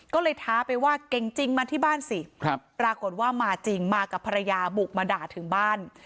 ก็เลยท้าไปว่าเก่งจริงมาที่บ้านสิปรากฏว่ามาจริงมากับภรรยาบุกมาด่าถึงบ้าน